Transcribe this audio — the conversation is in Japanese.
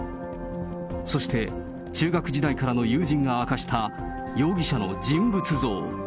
そして、中学時代からの友人が明かした容疑者の人物像。